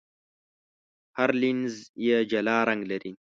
هر لینز یې جلا رنګ لري.